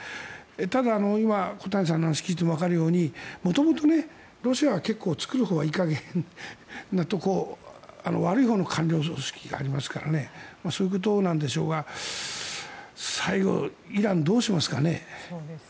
ただ、今、小谷さんの話を聞いてもわかるように元々ロシアは作るほうはいい加減なところ悪いほうの官僚組織がありますからそういうことなんでしょうが最後、イラン、どうしますかね。